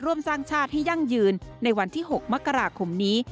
ร่วมสร้างชาติให้ยั่งยืนในวันที่๖มกราคมนี้